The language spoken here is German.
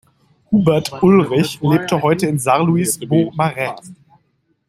Hubert Ulrich lebt heute in Saarlouis-Beaumarais.